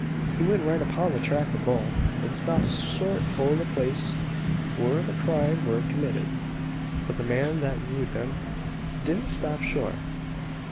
He went right upon the track o' both, an stopped short o' the place whur the crime wur committed. "But the man that rud him didn't stop short.